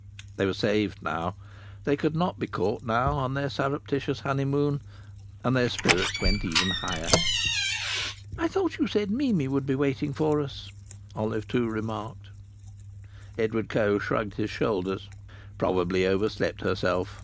They were saved now. They could not be caught now on their surreptitious honeymoon. And their spirits went even higher. "I thought you said Mimi would be waiting for us?" Olive Two remarked. Edward Coe shrugged his shoulders. "Probably overslept herself!